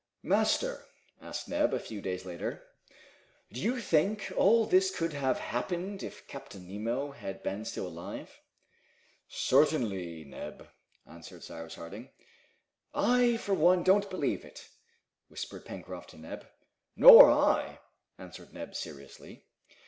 "Master," asked Neb, a few days later, "do you think all this could have happened if Captain Nemo had been still alive?" "Certainly, Neb," answered Cyrus Harding. "I, for one, don't believe it!" whispered Pencroft to Neb. "Nor I!" answered Neb seriously.